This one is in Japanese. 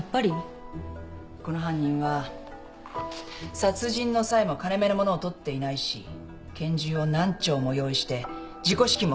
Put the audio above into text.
この犯人は殺人の際も金目の物を取っていないし拳銃を何丁も用意して自己資金もふんだんに使ってる。